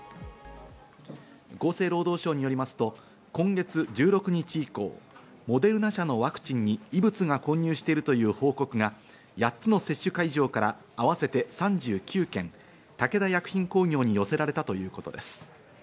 厚生労働省によりますと今月１６日以降、モデルナ社のワクチンに異物が混入しているという報告が８つの接種会場から合わせて３９件、武田薬品工業に寄せられたということです。